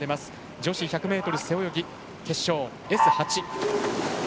女子１００ｍ背泳ぎ決勝Ｓ８。